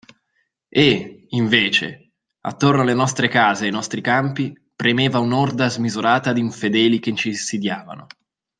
E, invece, attorno alle nostre case e ai nostri campi premeva un'orda smisurata d'infedeli che c'insidiavano.